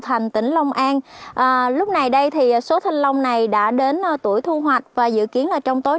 thành tỉnh long an lúc này đây thì số thanh long này đã đến tuổi thu hoạch và dự kiến là trong tối